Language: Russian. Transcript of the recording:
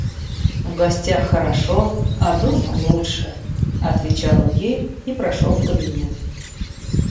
В гостях хорошо, а дома лучше, — отвечал он ей и прошел в кабинет.